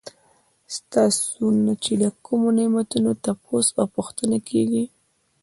ستاسو نه چې د کومو نعمتونو تپوس او پوښتنه کيږي